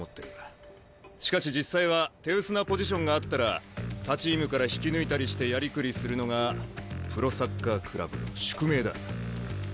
しかし実際は手薄なポジションがあったら他チームから引き抜いたりしてやりくりするのがプロサッカークラブの宿命だ。